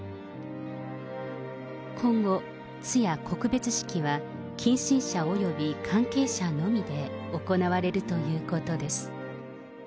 今後、通夜・告別式は近親者および関係者のみで行われるということです。